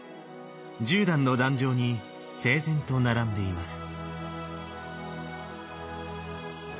１０段の壇上に整然と並んでいます。